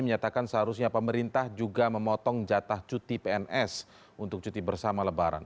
menyatakan seharusnya pemerintah juga memotong jatah cuti pns untuk cuti bersama lebaran